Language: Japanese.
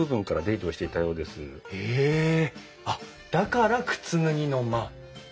あっだから靴脱ぎの間。